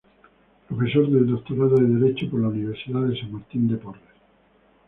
Profesor del Doctorado de Derecho por la Universidad de San Martín de Porres.